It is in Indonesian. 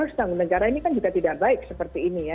harus tanggung negara ini kan juga tidak baik seperti ini ya